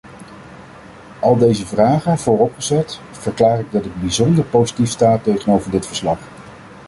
Al deze vragen vooropgezet, verklaar ik dat ik bijzonder positief sta tegenover dit verslag.